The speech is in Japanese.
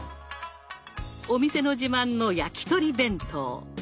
お店の自慢の焼き鳥弁当。